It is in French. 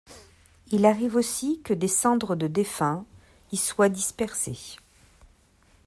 Il arrive aussi que des cendres de défunts y soient dispersées.